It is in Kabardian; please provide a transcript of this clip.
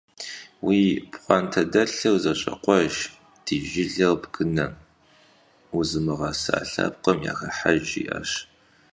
- Уи пхъуантэдэлъыр зэщӀэкъуэж, ди жылэр бгынэ, узымыгъэса лъэпкъым яхыхьэж, - жиӏащ.